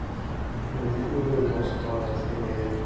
On était heureux dans ce temps-là, dit Gabrielle.